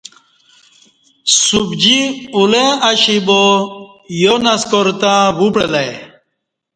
سُبجی اولں اشی با یو نسکار تں وُپعلہ ای